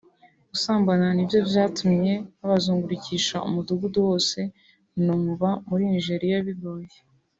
Gusambana nivyo vyatumye babazungurukisha umudugudu wose numva muri Nigeria bigoye